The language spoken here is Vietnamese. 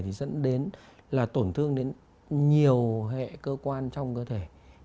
thì dẫn đến là tổn thương đến nhiều hệ cơ quan trong cơ thể